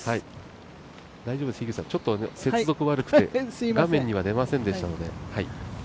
大丈夫です、接続が悪くて画面には出ませんでしたので。